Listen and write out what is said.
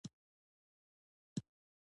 • کتاب د تلپاتې پوهې زېرمه ده.